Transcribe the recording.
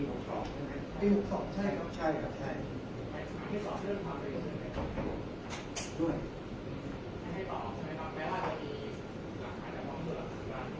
คือหลายจานชาติใช่ไหมครับดีหกสองใช่ไหมครับดีหกสองใช่ครับใช่ครับใช่